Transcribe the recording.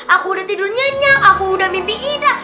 aku udah tidur nyenyak aku udah mimpi ida